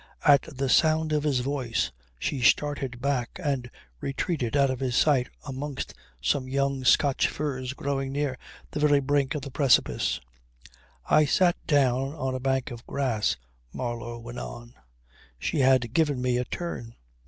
At the sound of his voice she started back and retreated out of his sight amongst some young Scotch firs growing near the very brink of the precipice. "I sat down on a bank of grass," Marlow went on. "She had given me a turn.